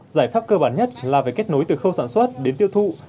giải pháp cơ bản nhất là về kết nối từ khâu sản xuất đến tiêu thụ